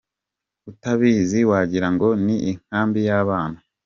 Utabizi wagira ngo ni inkambi y’abana.